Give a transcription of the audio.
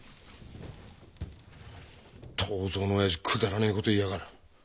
東蔵のおやじくだらねえ事言いやがる。